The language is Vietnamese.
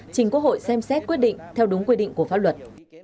trình quốc hội xem xét quyết định theo đúng quy định của pháp luật